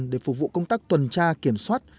để phục vụ công tác tuần tra kiểm soát